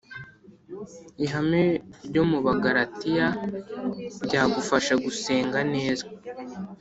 ihame ryo mu Bagalatiya ryagufasha gusenga neza